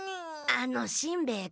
あのしんべヱ君。